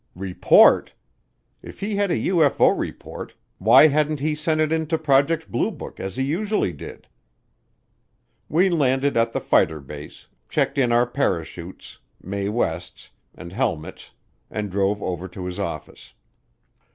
Report! If he had a UFO report why hadn't he sent it in to Project Blue Book as he usually did? We landed at the fighter base, checked in our parachutes, Mae Wests, and helmets, and drove over to his office.